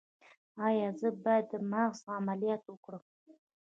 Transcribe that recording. ایا زه باید د مغز عملیات وکړم؟